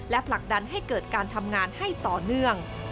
ผลักดันให้เกิดการทำงานให้ต่อเนื่อง